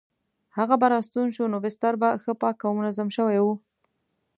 هغه به راستون شو نو بستر به ښه پاک او منظم شوی وو.